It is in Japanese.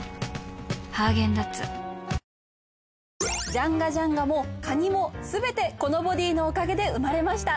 ジャンガジャンガも蟹も全てこのボディのおかげで生まれました。